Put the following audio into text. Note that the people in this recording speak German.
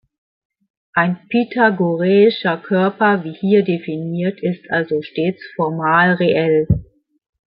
Ein pythagoreischer Körper wie hier definiert ist also stets formal reell.